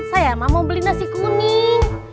saya mau beli nasi kuning